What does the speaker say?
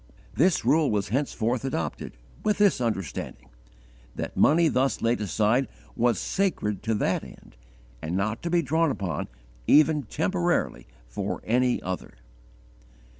This rule was henceforth adopted, with this understanding, that money thus laid aside was sacred to that end, and not to be drawn upon, even temporarily, for any other.